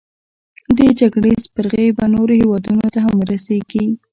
دې جګړې سپرغۍ به نورو هیوادونو ته هم ورسیږي.